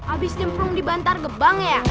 abis nyemplung di bantar gebang ya